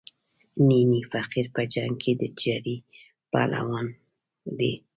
نینی فقیر په جنګ کې د چړې پهلوان دی.